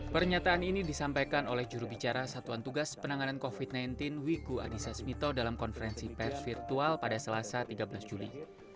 pernyataan ini disampaikan oleh jurubicara satuan tugas penanganan covid sembilan belas wiku adhisa smito dalam konferensi pers virtual pada selasa tiga belas juli